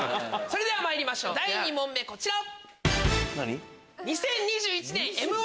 それではまいりましょう第２問目こちら。